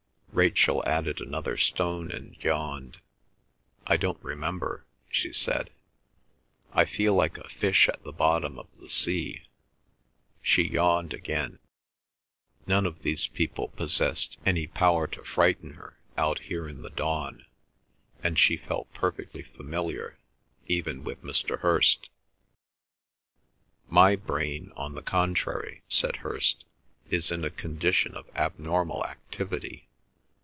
Rachel added another stone and yawned. "I don't remember," she said, "I feel like a fish at the bottom of the sea." She yawned again. None of these people possessed any power to frighten her out here in the dawn, and she felt perfectly familiar even with Mr. Hirst. "My brain, on the contrary," said Hirst, "is in a condition of abnormal activity."